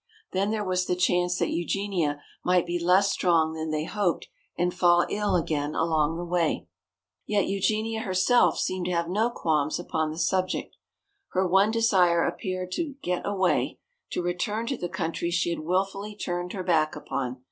Then there was the chance that Eugenia might be less strong than they hoped and fall ill again along the way. Yet Eugenia herself seemed to have no qualms upon the subject. Her one desire appeared to be to get away, to return to the country she had wilfully turned her back upon.